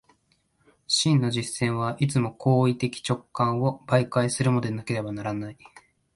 真の実践はいつも行為的直観を媒介するものでなければならない。